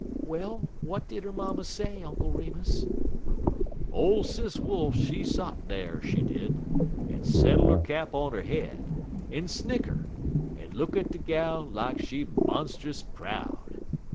"Well, what did her mamma say, Uncle Remus?" "Ole Sis Wolf, she sot dar, she did, en settle 'er cap on 'er head, en snicker, en look at de gal lak she monst'us proud.